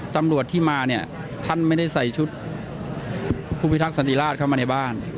ตำรวจที่มาเนี่ยท่านไม่ได้ใส่ชุดผู้พิทักษันติราชเข้ามาในบ้าน